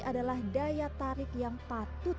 adalah daya tarik yang patut